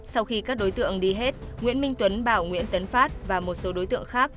sau khi các đối tượng đi hết nguyễn minh tuấn bảo nguyễn tấn phát và một số đối tượng khác